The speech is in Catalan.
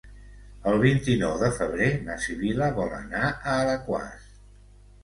El vint-i-nou de febrer na Sibil·la vol anar a Alaquàs.